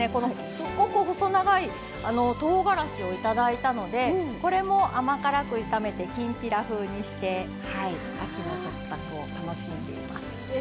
すっごく細長いとうがらしをいただいたのでこれも甘辛く炒めてきんぴら風にして秋の食卓を楽しんでいます。